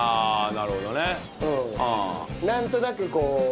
なるほど。